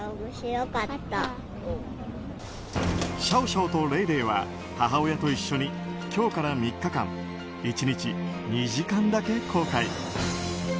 シャオシャオとレイレイは母親と一緒に今日から３日間１日２時間だけ公開。